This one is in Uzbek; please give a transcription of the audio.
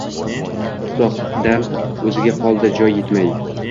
Tuproqda o’ziga qoldi joy yetmay.